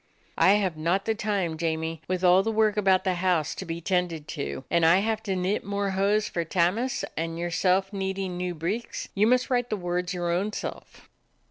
"I have not the time, Jamie, with all the work about the house to be tended to, and I have to knit more hose for Tammas, and your self needin' new breeks. You must write the words your own self."